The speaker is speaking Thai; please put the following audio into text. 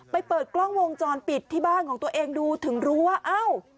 เปิดกล้องวงจรปิดที่บ้านของตัวเองดูถึงรู้ว่าเอ้า